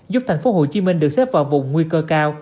giúp thành phố hồ chí minh được xếp vào vùng nguy cơ cao